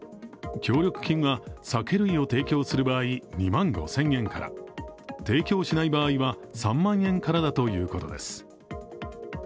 協力金は酒類を提供する場合２万５０００円から提供しない場合は３万円からだということです。